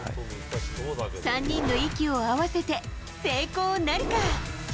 ３人の息を合わせて、成功なるか。